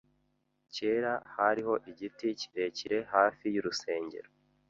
Kera hariho igiti kirekire hafi y'urusengero.